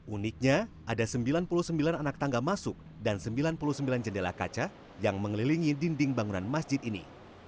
uniknya ada sembilan puluh sembilan anak tangga masuk dan sembilan puluh sembilan jendela kaca yang mengelilingi dinding bangunan masjid ini